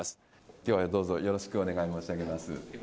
きょうはどうぞよろしくお願い申し上げます。